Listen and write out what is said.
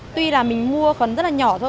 tuy là mình mua khẩn rất là nhỏ thôi